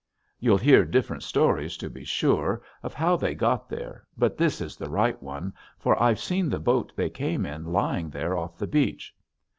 You'll hear different stories, to be sure, of how they got there but this is the right one, for I've seen the boat they came in lying there off the beach.